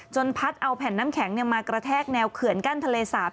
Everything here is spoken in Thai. พัดเอาแผ่นน้ำแข็งมากระแทกแนวเขื่อนกั้นทะเลสาบ